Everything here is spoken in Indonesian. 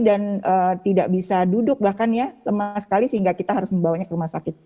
dan tidak bisa duduk bahkan ya lemah sekali sehingga kita harus membawanya ke rumah sakit